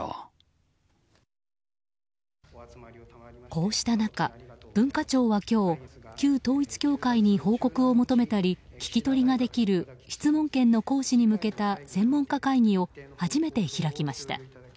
こうした中、文化庁は今日旧統一教会に報告を求めたり聞き取りができる質問権の行使に向けた専門家会議を初めて開きました。